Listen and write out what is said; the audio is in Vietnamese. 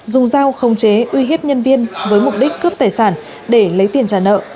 dùng dao khống chế uy hiếp nhân viên với mục đích cướp tài sản để lấy tiền trả nợ